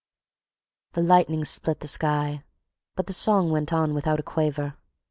The lightning split the sky, but the song went on without a quaver.